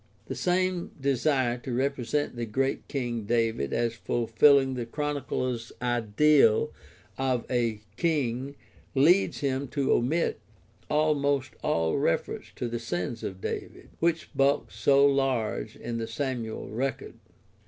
The same desire to represent the great King David as fulfilling the Chronicler's ideal of a king leads him to omit almost all reference to the sins of David, which bulk so large in the Samuel record.